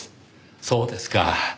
そうですか。